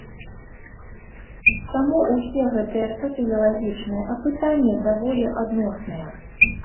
Таму ўсе гэтыя сацыялагічныя апытанні даволі адносныя.